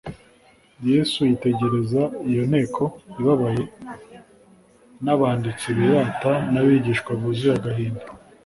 Yesu yitegereza iyo nteko ibabaye, n'abanditsi birata, n'abigishwa buzuye agahinda.